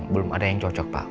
belum ada yang cocok pak